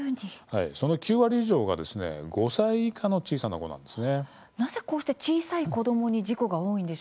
その９割以上が５歳以下の小さな子どもです。